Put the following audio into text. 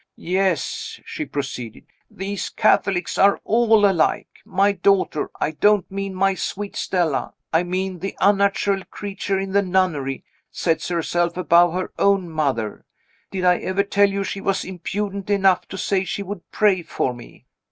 "Yes," she proceeded, "these Catholics are all alike. My daughter I don't mean my sweet Stella; I mean the unnatural creature in the nunnery sets herself above her own mother. Did I ever tell you she was impudent enough to say she would pray for me?